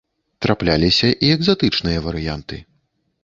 Трапляліся і экзатычныя варыянты.